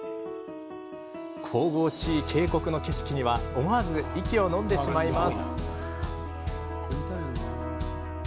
神々しい渓谷の景色には思わず息をのんでしまいます。